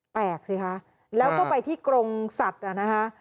สิคะแล้วก็ไปที่กรงสัตว์นะคะ